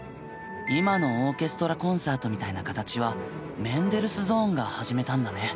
今のオーケストラコンサートみたいな形はメンデルスゾーンが始めたんだね。